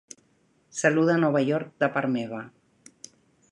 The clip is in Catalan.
Saluda Nova York de part meva.